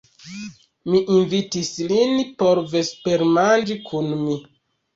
Mi invitis lin por vespermanĝi kun mi.